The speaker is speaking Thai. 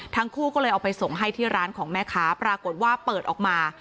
ทั้งคู่ก็เลยเอาไปส่งให้ที่ร้านของแม่ค้าปรากฏว่าเปิดออกมา